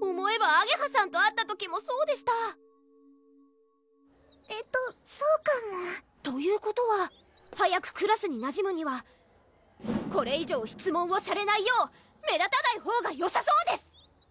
思えばあげはさんと会った時もそうでしたえっとそうかもということは早くクラスになじむにはこれ以上質問をされないよう目立たないほうがよさそうです！